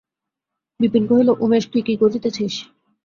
বিপিন কহিল, উমেশ, তুই কী করিতেছিস?